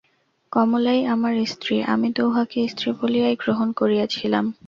কমলাই আমার স্ত্রী–আমি তো উহাকে স্ত্রী বলিয়াই গ্রহণ করিয়াছিলাম।